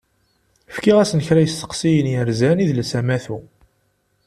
Fkiɣ-asen kra n yisteqsiyen yerzan idles amatu.